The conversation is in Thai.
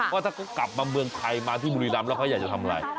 ว่าถ้ากลับมาเมืองไทยมาที่บุรีรัมพ์แล้วเค้าอยากจะทำไร